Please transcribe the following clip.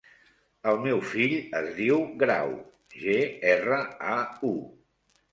El meu fill es diu Grau: ge, erra, a, u.